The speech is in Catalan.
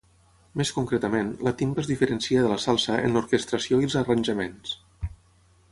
Més concretament, la timba es diferencia de la salsa en l'orquestració i els arranjaments.